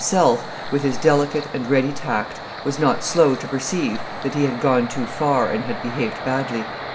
himself, with his delicate and ready tact, was not slow to perceive that he had gone too far and had behaved badly.